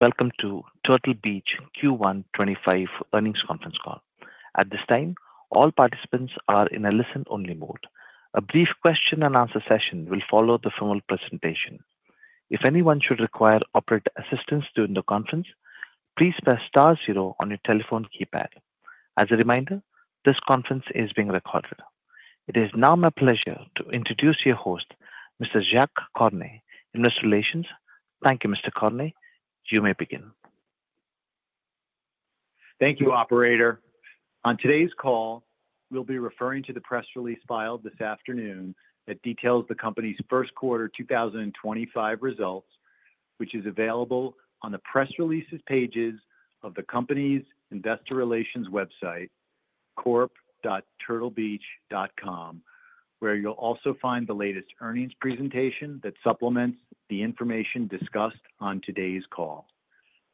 All participants are in a listen-only mode. A brief question-and-answer session will follow the formal presentation. If anyone should require operator assistance during the conference, please press star zero on your telephone keypad. As a reminder, this conference is being recorded. It is now my pleasure to introduce your host, Mr. Jacques Cornet, in Investor Relations. Thank you, Mr. Kearney. You may begin. Thank you, Operator. On today's call, we'll be referring to the press release filed this afternoon that details the company's first quarter 2025 results, which is available on the Press Releases pages of the company's Investor Relations website, corp.turtlebeach.com, where you'll also find the latest earnings presentation that supplements the information discussed on today's call.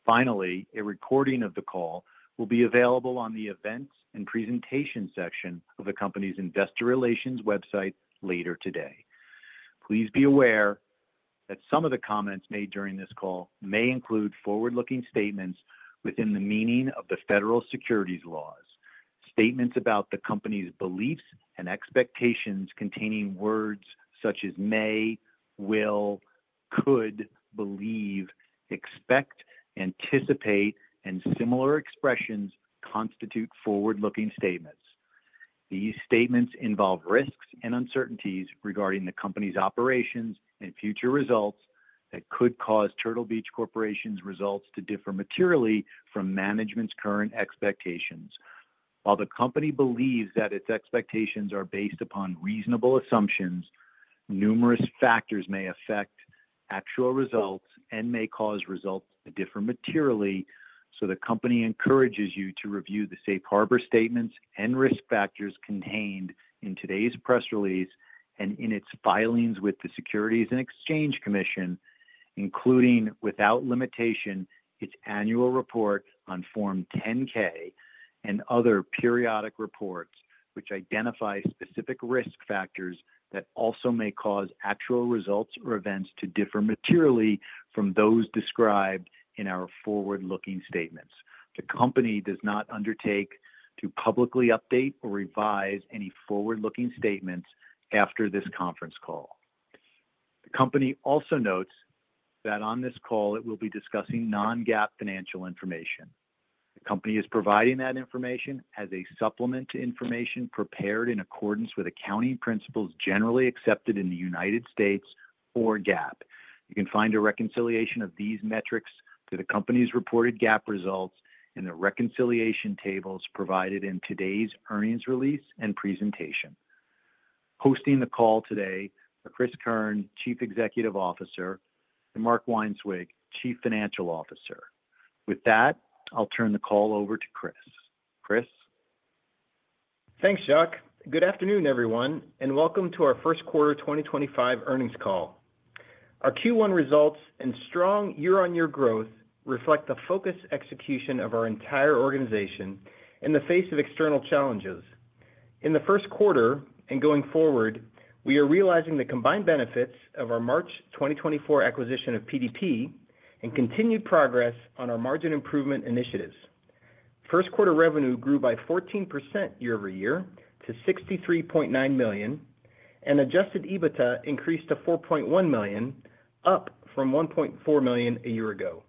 Finally, a recording of the call will be available on the Events and Presentation section of the company's Investor Relations website later today. Please be aware that some of the comments made during this call may include forward-looking statements within the meaning of the federal securities laws, statements about the company's beliefs and expectations containing words such as may, will, could, believe, expect, anticipate, and similar expressions constitute forward-looking statements. These statements involve risks and uncertainties regarding the company's operations and future results that could cause Turtle Beach Corporation's results to differ materially from management's current expectations. While the company believes that its expectations are based upon reasonable assumptions, numerous factors may affect actual results and may cause results to differ materially, so the company encourages you to review the safe harbor statements and risk factors contained in today's press release and in its filings with the Securities and Exchange Commission, including without limitation, its annual report on Form 10-K and other periodic reports which identify specific risk factors that also may cause actual results or events to differ materially from those described in our forward-looking statements. The company does not undertake to publicly update or revise any forward-looking statements after this conference call. The company also notes that on this call, it will be discussing non-GAAP financial information. The company is providing that information as a supplement to information prepared in accordance with accounting principles generally accepted in the U.S. or GAAP. You can find a reconciliation of these metrics to the company's reported GAAP results in the reconciliation tables provided in today's earnings release and presentation. Hosting the call today are Cris Keirn, Chief Executive Officer, and Mark Weinswig, Chief Financial Officer. With that, I'll turn the call over to Cris. Cris. Thanks, Jacques. Good afternoon, everyone, and welcome to our first quarter 2025 earnings call. Our Q1 results and strong year-on-year growth reflect the focused execution of our entire organization in the face of external challenges. In the first quarter and going forward, we are realizing the combined benefits of our March 2024 acquisition of PDP and continued progress on our margin improvement initiatives. First quarter revenue grew by 14% year-over-year to $63.9 million, and adjusted EBITDA increased to $4.1 million, up from $1.4 million a year ago.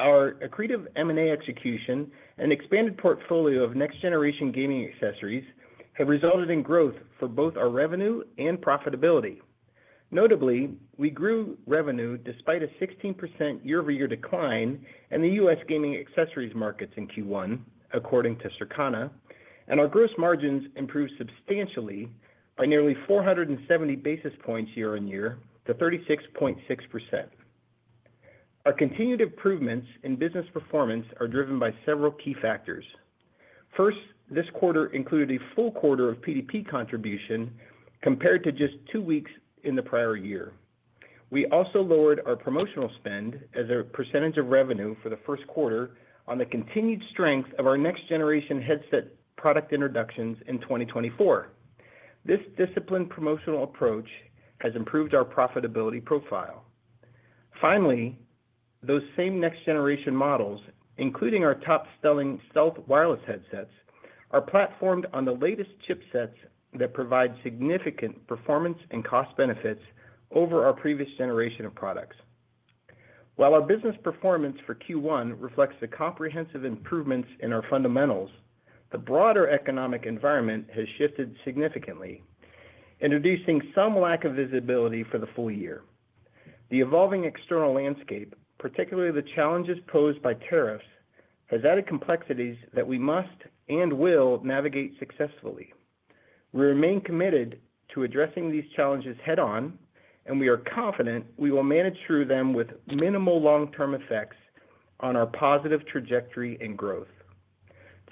Our accretive M&A execution and expanded portfolio of next-generation gaming accessories have resulted in growth for both our revenue and profitability. Notably, we grew revenue despite a 16% year-over-year decline in the U.S. gaming accessories markets in Q1, according to Circana, and our gross margins improved substantially by nearly 470 basis points year-on-year, to 36.6%. Our continued improvements in business performance are driven by several key factors. First, this quarter included a full quarter of PDP contribution compared to just two weeks in the prior year. We also lowered our promotional spend as a percentage of revenue for the first quarter on the continued strength of our next-generation headset product introductions in 2024. This disciplined promotional approach has improved our profitability profile. Finally, those same next-generation models, including our top-selling Stealth wireless headsets, are platformed on the latest chipsets that provide significant performance and cost benefits over our previous generation of products. While our business performance for Q1 reflects the comprehensive improvements in our fundamentals, the broader economic environment has shifted significantly, introducing some lack of visibility for the full year. The evolving external landscape, particularly the challenges posed by tariffs, has added complexities that we must and will navigate successfully. We remain committed to addressing these challenges head-on, and we are confident we will manage through them with minimal long-term effects on our positive trajectory and growth.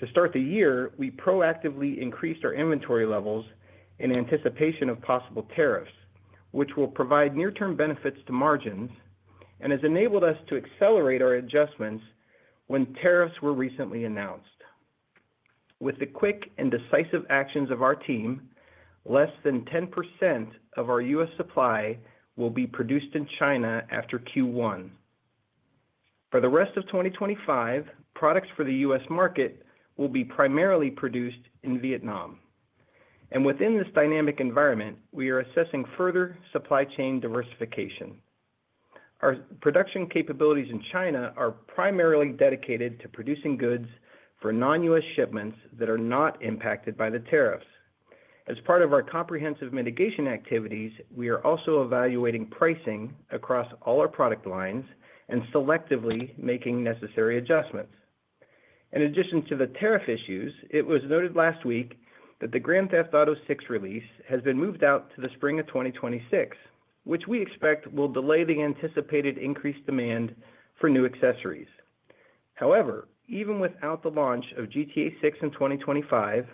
To start the year, we proactively increased our inventory levels in anticipation of possible tariffs, which will provide near-term benefits to margins and has enabled us to accelerate our adjustments when tariffs were recently announced. With the quick and decisive actions of our team, less than 10% of our U.S. supply will be produced in China after Q1. For the rest of 2025, products for the U.S. market will be primarily produced in Vietnam. Within this dynamic environment, we are assessing further supply chain diversification. Our production capabilities in China are primarily dedicated to producing goods for non-U.S. shipments that are not impacted by the tariffs. As part of our comprehensive mitigation activities, we are also evaluating pricing across all our product lines and selectively making necessary adjustments. In addition to the tariff issues, it was noted last week that the Grand Theft Auto VI release has been moved out to the spring of 2026, which we expect will delay the anticipated increased demand for new accessories. However, even without the launch of GTA 6 in 2025,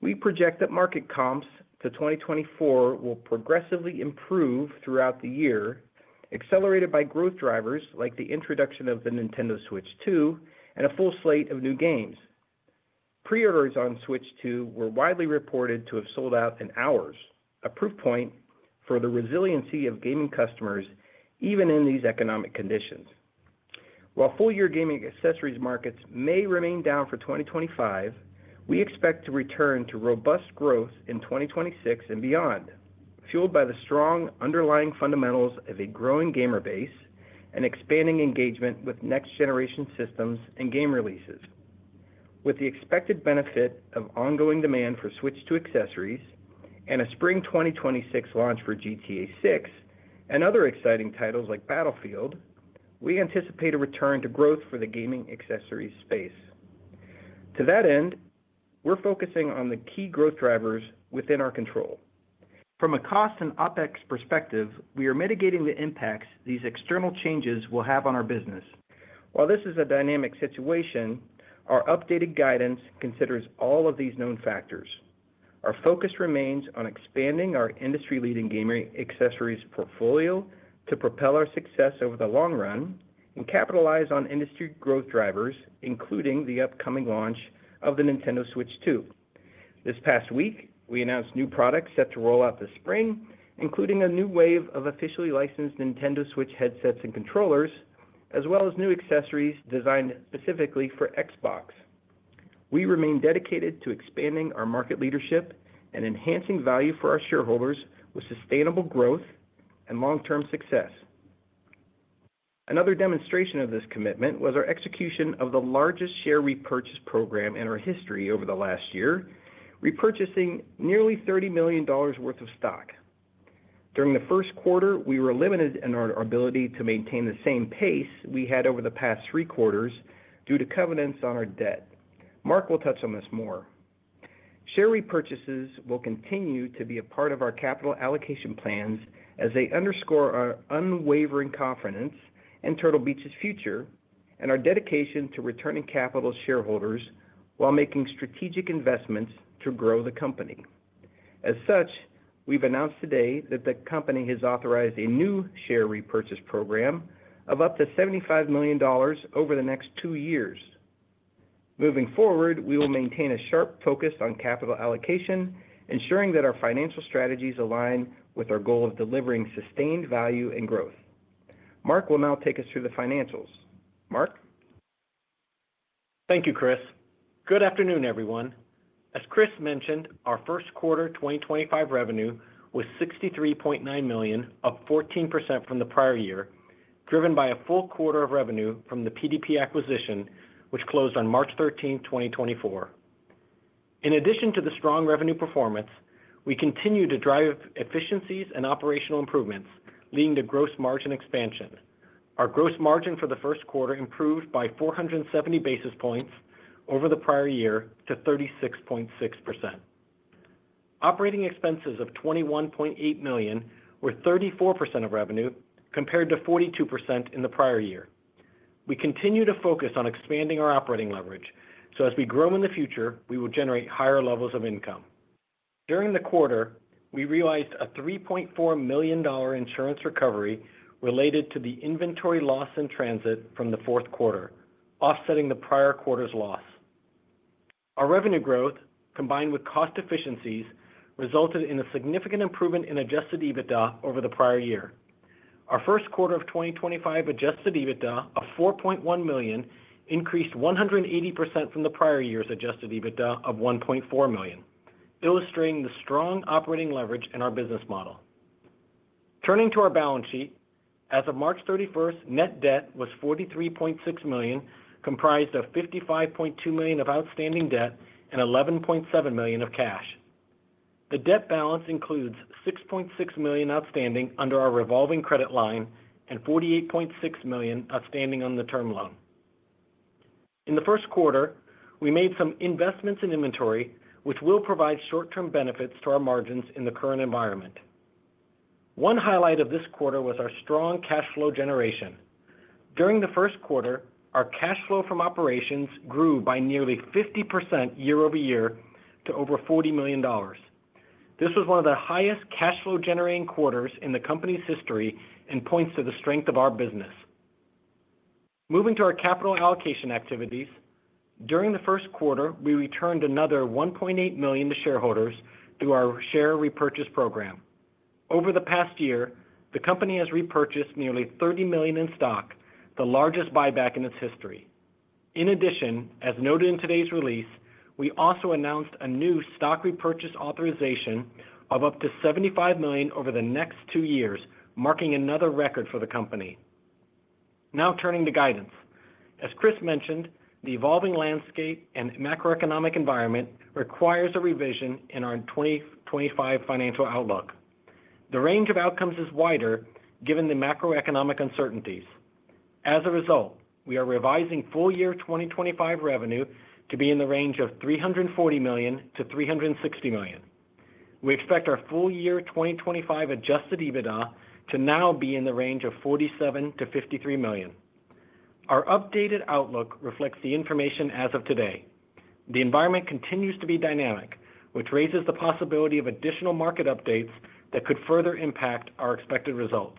we project that market comps to 2024 will progressively improve throughout the year, accelerated by growth drivers like the introduction of the Nintendo Switch 2 and a full slate of new games. Pre-orders on Switch 2 were widely reported to have sold out in hours, a proof point for the resiliency of gaming customers even in these economic conditions. While full-year gaming accessories markets may remain down for 2025, we expect to return to robust growth in 2026 and beyond, fueled by the strong underlying fundamentals of a growing gamer base and expanding engagement with next-generation systems and game releases. With the expected benefit of ongoing demand for Switch 2 accessories and a spring 2026 launch for GTA 6 and other exciting titles like Battlefield, we anticipate a return to growth for the gaming accessories space. To that end, we're focusing on the key growth drivers within our control. From a cost and opex perspective, we are mitigating the impacts these external changes will have on our business. While this is a dynamic situation, our updated guidance considers all of these known factors. Our focus remains on expanding our industry-leading gaming accessories portfolio to propel our success over the long run and capitalize on industry growth drivers, including the upcoming launch of the Nintendo Switch 2. This past week, we announced new products set to roll out this spring, including a new wave of officially licensed Nintendo Switch headsets and controllers, as well as new accessories designed specifically for Xbox. We remain dedicated to expanding our market leadership and enhancing value for our shareholders with sustainable growth and long-term success. Another demonstration of this commitment was our execution of the largest share repurchase program in our history over the last year, repurchasing nearly $30 million worth of stock. During the first quarter, we were limited in our ability to maintain the same pace we had over the past three quarters due to covenants on our debt. Mark will touch on this more. Share repurchases will continue to be a part of our capital allocation plans as they underscore our unwavering confidence in Turtle Beach's future and our dedication to returning capital to shareholders while making strategic investments to grow the company. As such, we've announced today that the company has authorized a new share repurchase program of up to $75 million over the next two years. Moving forward, we will maintain a sharp focus on capital allocation, ensuring that our financial strategies align with our goal of delivering sustained value and growth. Mark will now take us through the financials. Mark? Thank you, Chris. Good afternoon, everyone. As Chris mentioned, our first quarter 2025 revenue was $63.9 million, up 14% from the prior year, driven by a full quarter of revenue from the PDP acquisition, which closed on March 13, 2024. In addition to the strong revenue performance, we continue to drive efficiencies and operational improvements, leading to gross margin expansion. Our gross margin for the first quarter improved by 470 basis points over the prior year to 36.6%. Operating expenses of $21.8 million were 34% of revenue, compared to 42% in the prior year. We continue to focus on expanding our operating leverage, so as we grow in the future, we will generate higher levels of income. During the quarter, we realized a $3.4 million insurance recovery related to the inventory loss in transit from the fourth quarter, offsetting the prior quarter's loss. Our revenue growth, combined with cost efficiencies, resulted in a significant improvement in adjusted EBITDA over the prior year. Our first quarter of 2025 adjusted EBITDA of $4.1 million increased 180% from the prior year's adjusted EBITDA of $1.4 million, illustrating the strong operating leverage in our business model. Turning to our balance sheet, as of March 31, net debt was $43.6 million, comprised of $55.2 million of outstanding debt and $11.7 million of cash. The debt balance includes $6.6 million outstanding under our revolving credit line and $48.6 million outstanding on the term loan. In the first quarter, we made some investments in inventory, which will provide short-term benefits to our margins in the current environment. One highlight of this quarter was our strong cash flow generation. During the first quarter, our cash flow from operations grew by nearly 50% year over year to over $40 million. This was one of the highest cash flow-generating quarters in the company's history and points to the strength of our business. Moving to our capital allocation activities, during the first quarter, we returned another $1.8 million to shareholders through our share repurchase program. Over the past year, the company has repurchased nearly $30 million in stock, the largest buyback in its history. In addition, as noted in today's release, we also announced a new stock repurchase authorization of up to $75 million over the next two years, marking another record for the company. Now turning to guidance. As Chris mentioned, the evolving landscape and macroeconomic environment requires a revision in our 2025 financial outlook. The range of outcomes is wider given the macroeconomic uncertainties. As a result, we are revising full-year 2025 revenue to be in the range of $340 million-$360 million. We expect our full-year 2025 adjusted EBITDA to now be in the range of $47-$53 million. Our updated outlook reflects the information as of today. The environment continues to be dynamic, which raises the possibility of additional market updates that could further impact our expected results.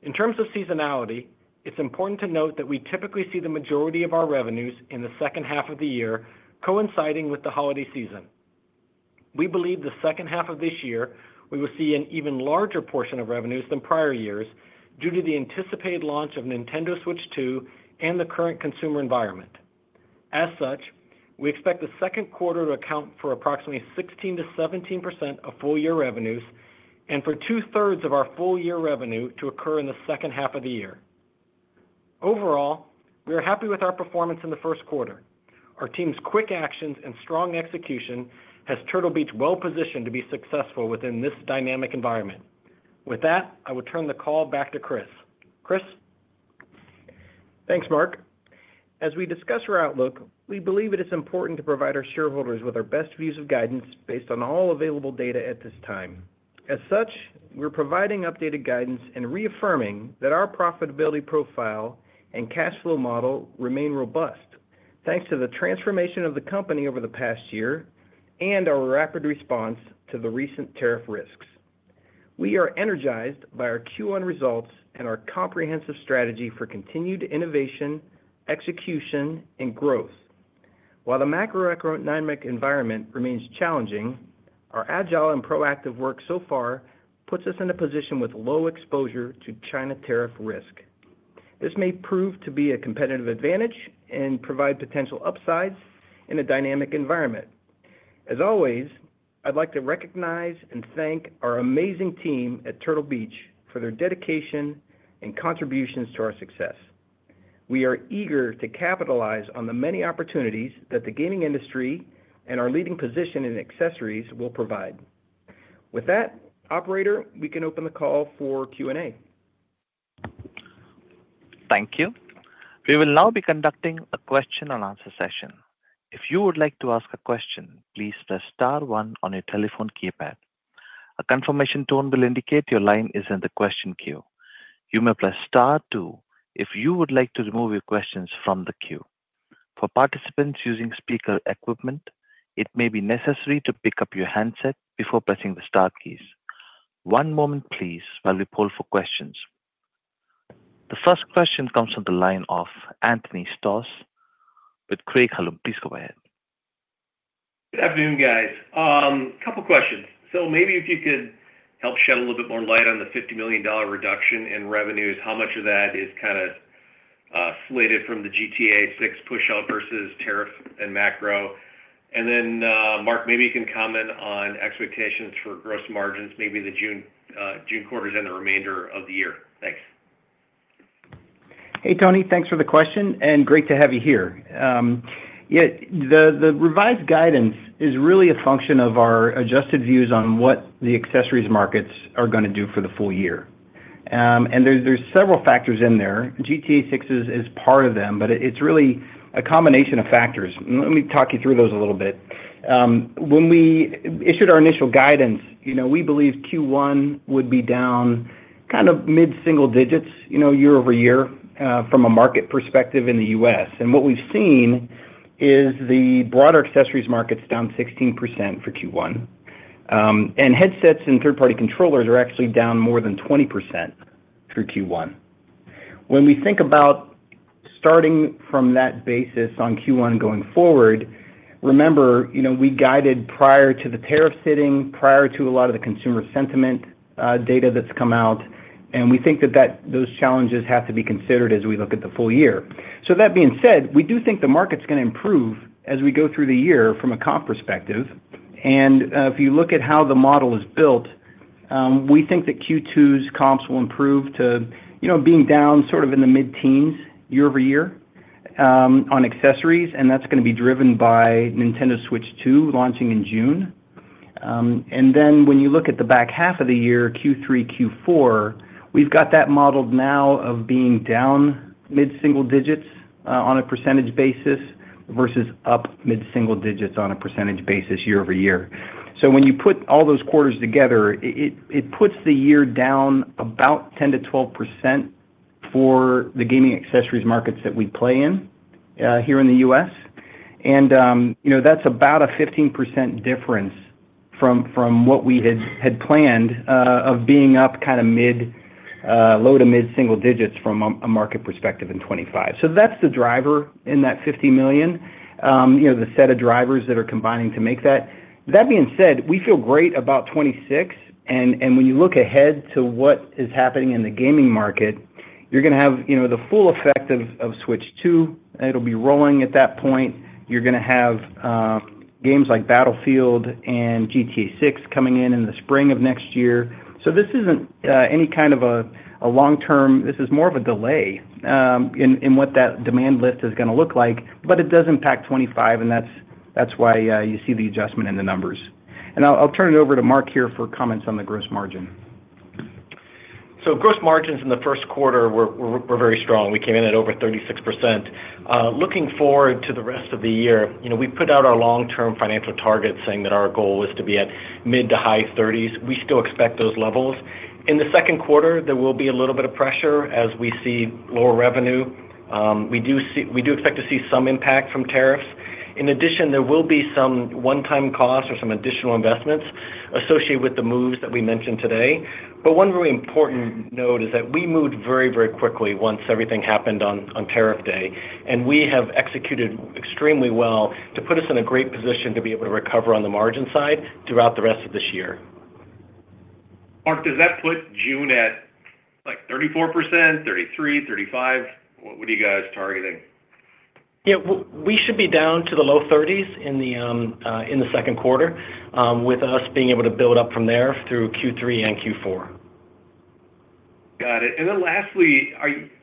In terms of seasonality, it's important to note that we typically see the majority of our revenues in the second half of the year coinciding with the holiday season. We believe the second half of this year we will see an even larger portion of revenues than prior years due to the anticipated launch of Nintendo Switch 2 and the current consumer environment. As such, we expect the second quarter to account for approximately 16%-17% of full-year revenues and for 2/3 of our full-year revenue to occur in the second half of the year. Overall, we are happy with our performance in the first quarter. Our team's quick actions and strong execution has Turtle Beach well-positioned to be successful within this dynamic environment. With that, I will turn the call back to Chris. Chris? Thanks, Mark. As we discuss our outlook, we believe it is important to provide our shareholders with our best views of guidance based on all available data at this time. As such, we're providing updated guidance and reaffirming that our profitability profile and cash flow model remain robust thanks to the transformation of the company over the past year and our rapid response to the recent tariff risks. We are energized by our Q1 results and our comprehensive strategy for continued innovation, execution, and growth. While the macroeconomic environment remains challenging, our agile and proactive work so far puts us in a position with low exposure to China tariff risk. This may prove to be a competitive advantage and provide potential upsides in a dynamic environment. As always, I'd like to recognize and thank our amazing team at Turtle Beach for their dedication and contributions to our success. We are eager to capitalize on the many opportunities that the gaming industry and our leading position in accessories will provide. With that, Operator, we can open the call for Q&A. Thank you. We will now be conducting a question-and-answer session. If you would like to ask a question, please press star one on your telephone keypad. A confirmation tone will indicate your line is in the question queue. You may press star two if you would like to remove your questions from the queue. For participants using speaker equipment, it may be necessary to pick up your handset before pressing the star keys. One moment, please, while we poll for questions. The first question comes from the line of Anthony Stoss with Craig-Hallum. Please go ahead. Good afternoon, guys. A couple of questions. Maybe if you could help shed a little bit more light on the $50 million reduction in revenues, how much of that is kind of slated from the GTA 6 push-out versus tariff and macro? Mark, maybe you can comment on expectations for gross margins, maybe the June quarters and the remainder of the year. Thanks. Hey, Tony. Thanks for the question, and great to have you here. The revised guidance is really a function of our adjusted views on what the accessories markets are going to do for the full year. There's several factors in there. GTA 6 is part of them, but it's really a combination of factors. Let me talk you through those a little bit. When we issued our initial guidance, we believed Q1 would be down kind of mid-single digits year over year from a market perspective in the U.S. What we've seen is the broader accessories market's down 16% for Q1. Headsets and third-party controllers are actually down more than 20% through Q1. When we think about starting from that basis on Q1 going forward, remember, we guided prior to the tariffs hitting, prior to a lot of the consumer sentiment data that's come out, and we think that those challenges have to be considered as we look at the full year. That being said, we do think the market's going to improve as we go through the year from a comp perspective. If you look at how the model is built, we think that Q2's comps will improve to being down sort of in the mid-teens year over year on accessories, and that's going to be driven by Nintendo Switch 2 launching in June. When you look at the back half of the year, Q3, Q4, we've got that model now of being down mid-single digits on a percentage basis versus up mid-single digits on a percentage basis year over year. When you put all those quarters together, it puts the year down about 10%-12% for the gaming accessories markets that we play in here in the U.S. That is about a 15% difference from what we had planned of being up kind of low to mid-single digits from a market perspective in 2025. That is the driver in that $50 million, the set of drivers that are combining to make that. That being said, we feel great about 2026. When you look ahead to what is happening in the gaming market, you're going to have the full effect of Switch 2. It'll be rolling at that point. You're going to have games like Battlefield and GTA 6 coming in in the spring of next year. This isn't any kind of a long-term, this is more of a delay in what that demand lift is going to look like, but it does impact 2025, and that's why you see the adjustment in the numbers. I'll turn it over to Mark here for comments on the gross margin. Gross margins in the first quarter were very strong. We came in at over 36%. Looking forward to the rest of the year, we put out our long-term financial targets saying that our goal was to be at mid to high 30s. We still expect those levels. In the second quarter, there will be a little bit of pressure as we see lower revenue. We do expect to see some impact from tariffs. In addition, there will be some one-time costs or some additional investments associated with the moves that we mentioned today. One really important note is that we moved very, very quickly once everything happened on tariff day. We have executed extremely well to put us in a great position to be able to recover on the margin side throughout the rest of this year. Mark, does that put June at like 34%, 33%, 35%? What are you guys targeting? Yeah. We should be down to the low 30s in the second quarter with us being able to build up from there through Q3 and Q4. Got it. Lastly,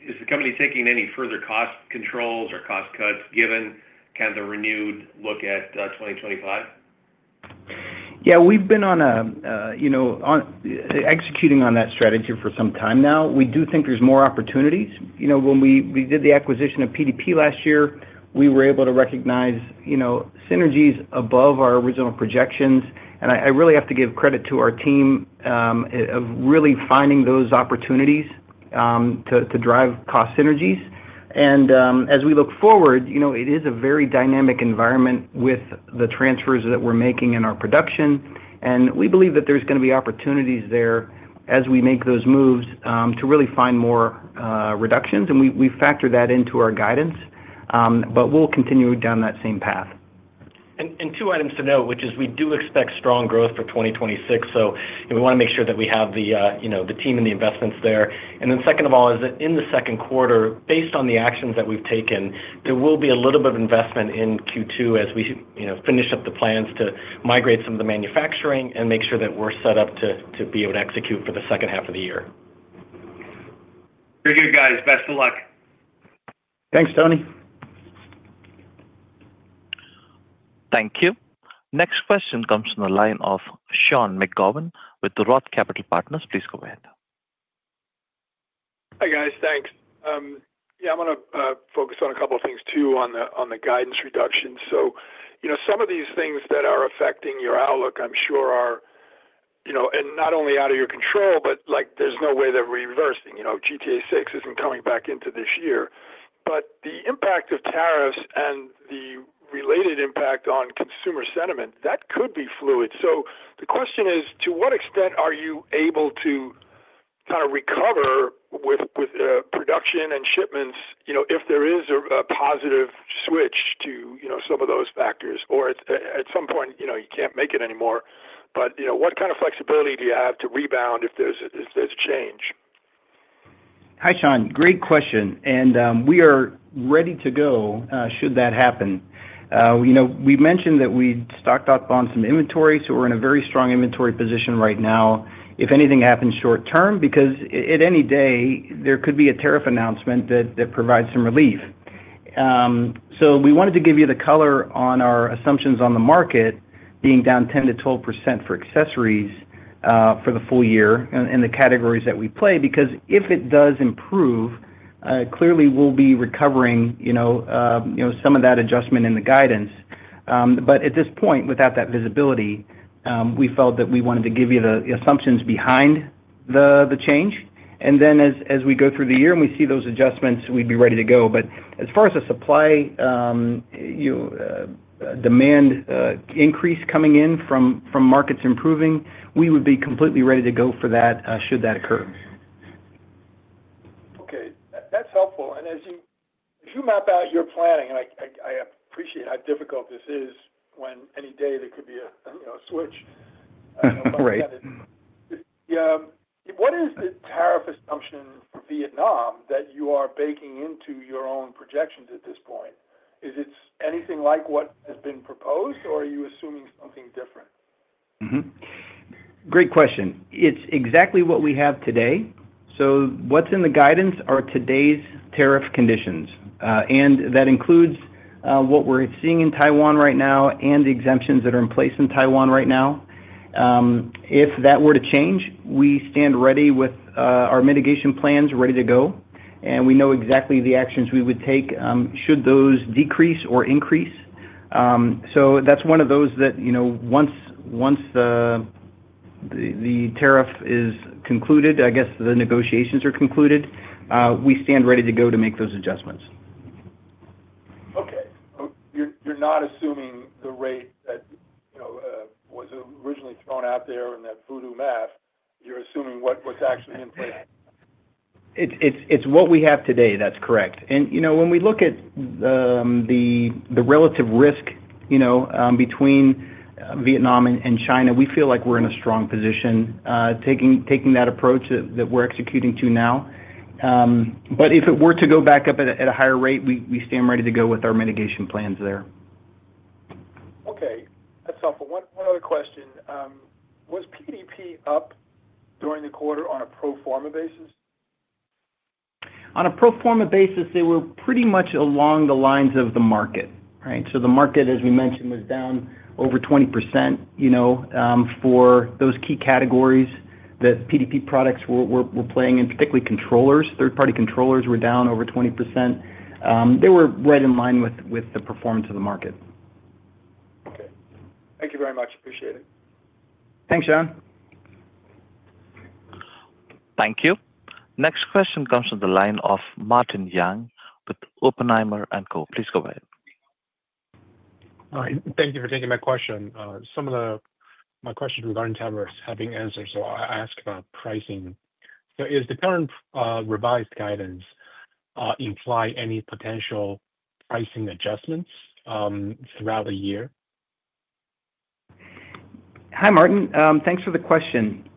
is the company taking any further cost controls or cost cuts given kind of the renewed look at 2025? Yeah. We've been executing on that strategy for some time now. We do think there's more opportunities. When we did the acquisition of PDP last year, we were able to recognize synergies above our original projections. I really have to give credit to our team of really finding those opportunities to drive cost synergies. As we look forward, it is a very dynamic environment with the transfers that we're making in our production. We believe that there's going to be opportunities there as we make those moves to really find more reductions. We factor that into our guidance, but we'll continue down that same path. Two items to note, which is we do expect strong growth for 2026, so we want to make sure that we have the team and the investments there. Second of all, is that in the second quarter, based on the actions that we've taken, there will be a little bit of investment in Q2 as we finish up the plans to migrate some of the manufacturing and make sure that we're set up to be able to execute for the second half of the year. Very good, guys. Best of luck. Thanks, Tony. Thank you. Next question comes from the line of Sean McGowan with Roth Capital Partners. Please go ahead. Hi, guys. Thanks. Yeah, I want to focus on a couple of things too on the guidance reduction. Some of these things that are affecting your outlook, I'm sure, are not only out of your control, but there's no way they're reversing. GTA 6 isn't coming back into this year. The impact of tariffs and the related impact on consumer sentiment, that could be fluid. The question is, to what extent are you able to kind of recover with production and shipments if there is a positive switch to some of those factors? At some point, you can't make it anymore. What kind of flexibility do you have to rebound if there's a change? Hi, Sean. Great question. We are ready to go should that happen. We mentioned that we stocked up on some inventory, so we're in a very strong inventory position right now if anything happens short-term, because at any day, there could be a tariff announcement that provides some relief. We wanted to give you the color on our assumptions on the market being down 10%-12% for accessories for the full year in the categories that we play. If it does improve, clearly we'll be recovering some of that adjustment in the guidance. At this point, without that visibility, we felt that we wanted to give you the assumptions behind the change. As we go through the year and we see those adjustments, we'd be ready to go. As far as a supply demand increase coming in from markets improving, we would be completely ready to go for that should that occur. Okay. That's helpful. As you map out your planning, and I appreciate how difficult this is when any day there could be a switch. What is the tariff assumption for Vietnam that you are baking into your own projections at this point? Is it anything like what has been proposed, or are you assuming something different? Great question. It's exactly what we have today. What's in the guidance are today's tariff conditions. That includes what we're seeing in Taiwan right now and the exemptions that are in place in Taiwan right now. If that were to change, we stand ready with our mitigation plans ready to go. We know exactly the actions we would take should those decrease or increase. That's one of those that once the tariff is concluded, I guess the negotiations are concluded, we stand ready to go to make those adjustments. Okay. You're not assuming the rate that was originally thrown out there in that voodoo math. You're assuming what's actually in place? It's what we have today. That's correct. When we look at the relative risk between Vietnam and China, we feel like we're in a strong position taking that approach that we're executing to now. If it were to go back up at a higher rate, we stand ready to go with our mitigation plans there. Okay. That's helpful. One other question. Was PDP up during the quarter on a pro forma basis? On a pro forma basis, they were pretty much along the lines of the market, right? The market, as we mentioned, was down over 20% for those key categories that PDP products were playing in, particularly controllers. Third-party controllers were down over 20%. They were right in line with the performance of the market. Okay. Thank you very much. Appreciate it. Thanks, Sean. Thank you. Next question comes from the line of Martin Yang with Oppenheimer & Co. Please go ahead. All right. Thank you for taking my question. Some of my questions regarding tariffs have been answered, so I ask about pricing. Does the current revised guidance imply any potential pricing adjustments throughout the year? Hi, Martin. Thanks for the question.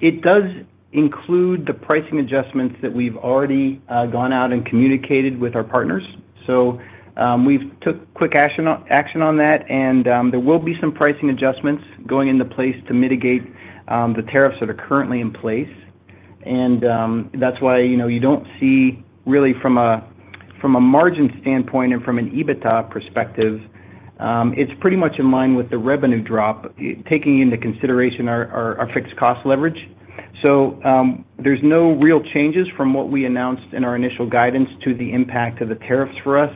It does include the pricing adjustments that we've already gone out and communicated with our partners. We've took quick action on that, and there will be some pricing adjustments going into place to mitigate the tariffs that are currently in place. That is why you do not see really from a margin standpoint and from an EBITDA perspective, it is pretty much in line with the revenue drop, taking into consideration our fixed cost leverage. There are no real changes from what we announced in our initial guidance to the impact of the tariffs for us.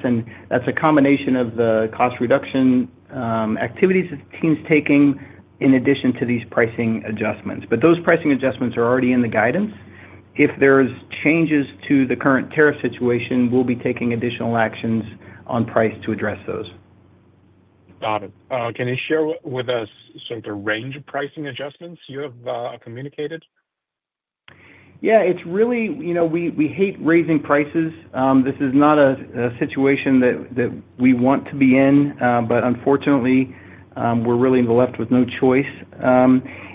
That is a combination of the cost reduction activities that the team's taking in addition to these pricing adjustments. Those pricing adjustments are already in the guidance. If there are changes to the current tariff situation, we will be taking additional actions on price to address those. Got it. Can you share with us sort of the range of pricing adjustments you have communicated? Yeah. It's really we hate raising prices. This is not a situation that we want to be in, but unfortunately, we're really left with no choice.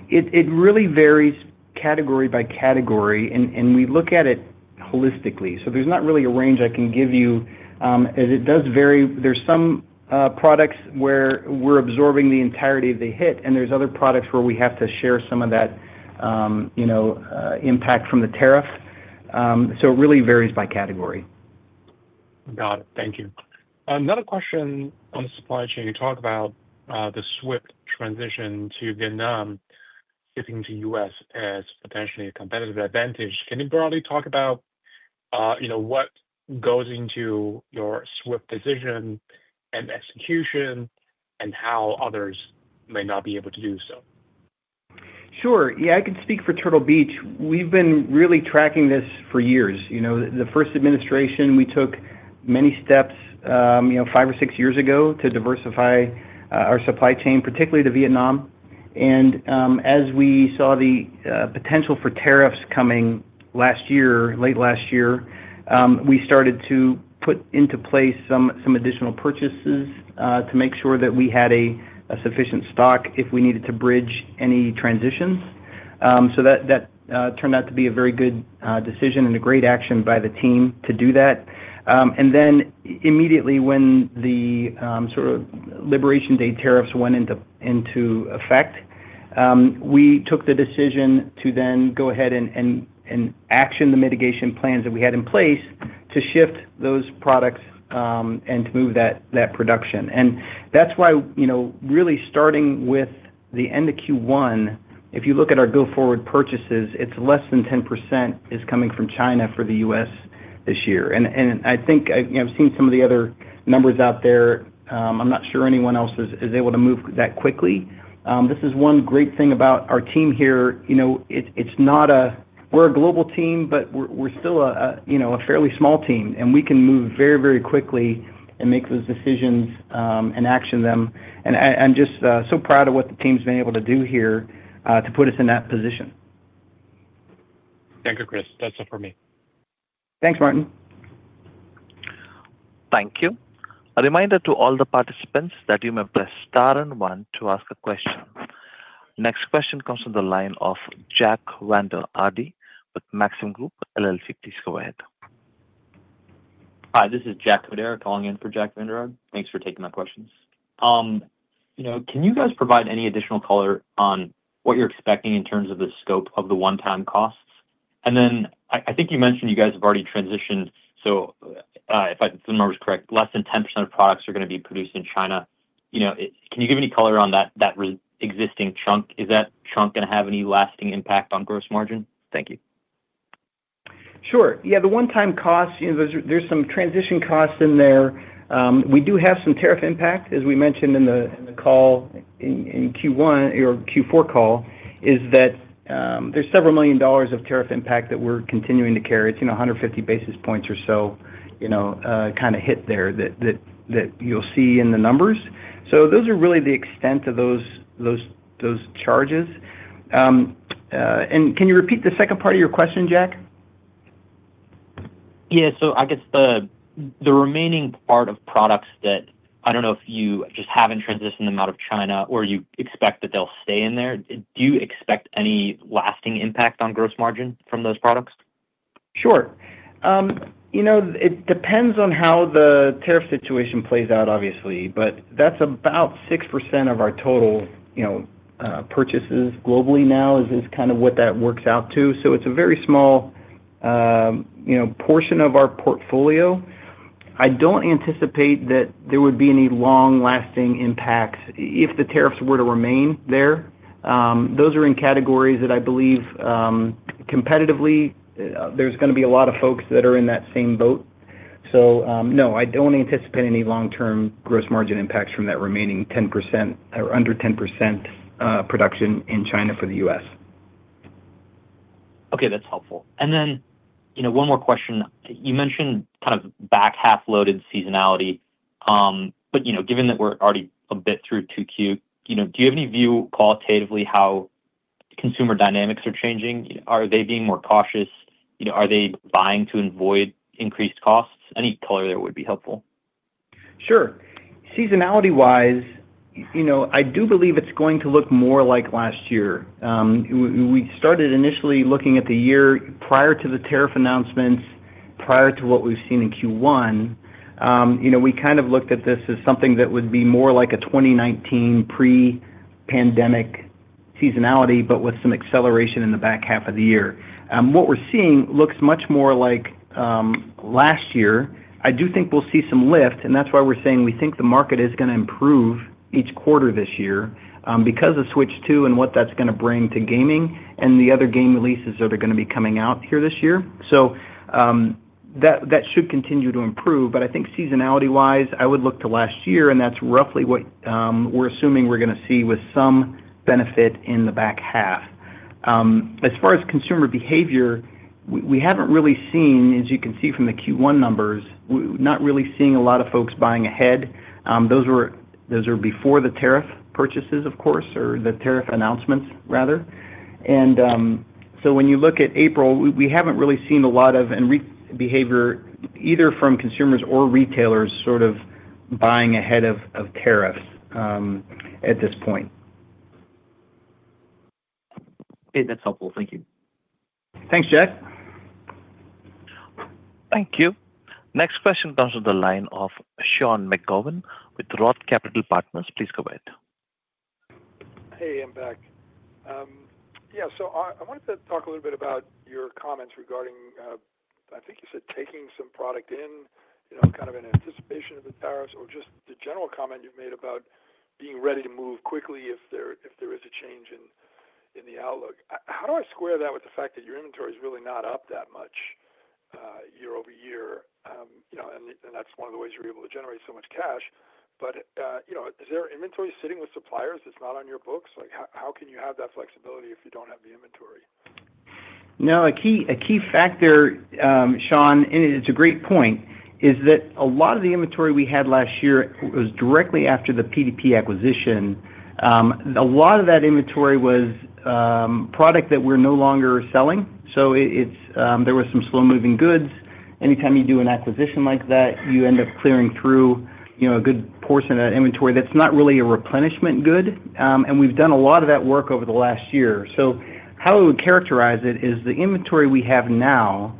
It really varies category by category, and we look at it holistically. There is not really a range I can give you. As it does vary, there are some products where we're absorbing the entirety of the hit, and there are other products where we have to share some of that impact from the tariff. It really varies by category. Got it. Thank you. Another question on supply chain. You talk about the swift transition to Vietnam shifting to the U.S. as potentially a competitive advantage. Can you broadly talk about what goes into your swift decision and execution and how others may not be able to do so? Sure. Yeah, I can speak for Turtle Beach. We've been really tracking this for years. The first administration, we took many steps five or six years ago to diversify our supply chain, particularly to Vietnam. As we saw the potential for tariffs coming late last year, we started to put into place some additional purchases to make sure that we had a sufficient stock if we needed to bridge any transitions. That turned out to be a very good decision and a great action by the team to do that. Immediately when the sort of liberation day tariffs went into effect, we took the decision to then go ahead and action the mitigation plans that we had in place to shift those products and to move that production. That is why really starting with the end of Q1, if you look at our go-forward purchases, less than 10% is coming from China for the U.S. this year. I think I have seen some of the other numbers out there. I am not sure anyone else is able to move that quickly. This is one great thing about our team here. We are a global team, but we are still a fairly small team. We can move very, very quickly and make those decisions and action them. I am just so proud of what the team has been able to do here to put us in that position. Thank you, Chris. That's it for me. Thanks, Martin. Thank you. A reminder to all the participants that you may press star and one to ask a question. Next question comes from the line of Jack Vander Aarde with Maxim Group LLC. Please go ahead. Hi, this is Jack Codera calling in for Jack Vander Aarde. Thanks for taking my questions. Can you guys provide any additional color on what you're expecting in terms of the scope of the one-time costs? I think you mentioned you guys have already transitioned, so if my memory is correct, less than 10% of products are going to be produced in China. Can you give any color on that existing chunk? Is that chunk going to have any lasting impact on gross margin? Thank you. Sure. Yeah, the one-time costs, there's some transition costs in there. We do have some tariff impact, as we mentioned in the call in Q1 or Q4 call, is that there's several million dollars of tariff impact that we're continuing to carry. It's 150 basis points or so kind of hit there that you'll see in the numbers. Those are really the extent of those charges. Can you repeat the second part of your question, Jack? Yeah. So I guess the remaining part of products that I don't know if you just haven't transitioned them out of China or you expect that they'll stay in there. Do you expect any lasting impact on gross margin from those products? Sure. It depends on how the tariff situation plays out, obviously. That is about 6% of our total purchases globally now is kind of what that works out to. It is a very small portion of our portfolio. I do not anticipate that there would be any long-lasting impacts if the tariffs were to remain there. Those are in categories that I believe competitively there is going to be a lot of folks that are in that same boat. No, I do not anticipate any long-term gross margin impacts from that remaining 10% or under 10% production in China for the U.S. Okay. That's helpful. One more question. You mentioned kind of back half-loaded seasonality. Given that we're already a bit through Q2, do you have any view qualitatively how consumer dynamics are changing? Are they being more cautious? Are they buying to avoid increased costs? Any color there would be helpful. Sure. Seasonality-wise, I do believe it's going to look more like last year. We started initially looking at the year prior to the tariff announcements, prior to what we've seen in Q1. We kind of looked at this as something that would be more like a 2019 pre-pandemic seasonality, but with some acceleration in the back half of the year. What we're seeing looks much more like last year. I do think we'll see some lift, and that's why we're saying we think the market is going to improve each quarter this year because of Switch 2 and what that's going to bring to gaming and the other game releases that are going to be coming out here this year. That should continue to improve. I think seasonality-wise, I would look to last year, and that's roughly what we're assuming we're going to see with some benefit in the back half. As far as consumer behavior, we haven't really seen, as you can see from the Q1 numbers, not really seeing a lot of folks buying ahead. Those are before the tariff purchases, of course, or the tariff announcements, rather. When you look at April, we haven't really seen a lot of behavior either from consumers or retailers sort of buying ahead of tariffs at this point. Okay. That's helpful. Thank you. Thanks, Jack. Thank you. Next question comes from the line of Sean McGowan with Roth Capital Partners. Please go ahead. Hey, I'm back. Yeah. I wanted to talk a little bit about your comments regarding, I think you said, taking some product in kind of in anticipation of the tariffs or just the general comment you've made about being ready to move quickly if there is a change in the outlook. How do I square that with the fact that your inventory is really not up that much year over year? That's one of the ways you're able to generate so much cash. Is there inventory sitting with suppliers that's not on your books? How can you have that flexibility if you don't have the inventory? Now, a key factor, Sean, and it's a great point, is that a lot of the inventory we had last year was directly after the PDP acquisition. A lot of that inventory was product that we're no longer selling. There were some slow-moving goods. Anytime you do an acquisition like that, you end up clearing through a good portion of that inventory that's not really a replenishment good. We've done a lot of that work over the last year. How I would characterize it is the inventory we have now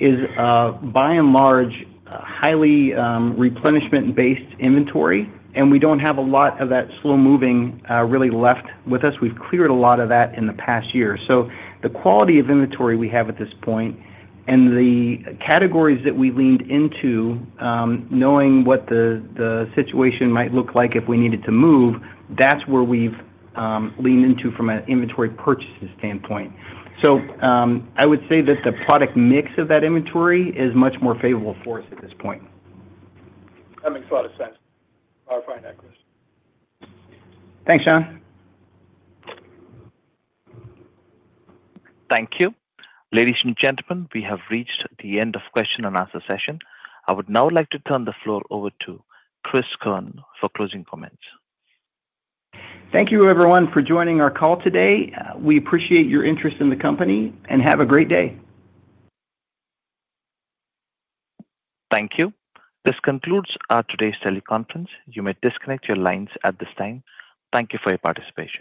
is, by and large, highly replenishment-based inventory. We do not have a lot of that slow-moving really left with us. We've cleared a lot of that in the past year. The quality of inventory we have at this point and the categories that we leaned into, knowing what the situation might look like if we needed to move, that's where we've leaned into from an inventory purchases standpoint. I would say that the product mix of that inventory is much more favorable for us at this point. That makes a lot of sense. I'll find that, Cris. Thanks, Sean. Thank you. Ladies and gentlemen, we have reached the end of the question and answer session. I would now like to turn the floor over to Cris Keirn for closing comments. Thank you, everyone, for joining our call today. We appreciate your interest in the company and have a great day. Thank you. This concludes today's teleconference. You may disconnect your lines at this time. Thank you for your participation.